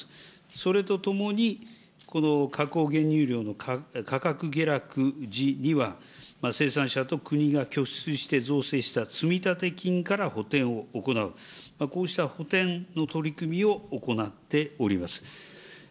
それとともに、加工原料乳の価格下落時には、生産者と国が拠出して造成した積立金から補填を行う、こうした補填の取り組みを行っております。